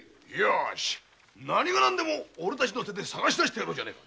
何が何でもおれたちの手で捜し出してやろうじゃねぇか。